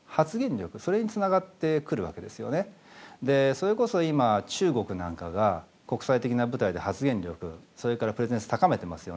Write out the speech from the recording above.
それこそ今中国なんかが国際的な舞台で発言力それからプレゼンス高めてますよね。